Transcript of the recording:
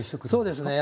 そうですね